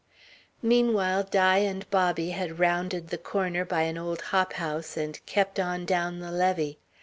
Meanwhile Di and Bobby had rounded the corner by an old hop house and kept on down the levee.